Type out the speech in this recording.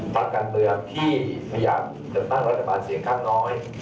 ประกันเตือนที่ไม่อยากจะตั้งรัฐบาลเสียงข้างน้อย